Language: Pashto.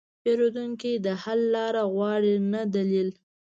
پیرودونکی د حل لاره غواړي، نه دلیل.